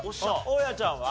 大家ちゃんは？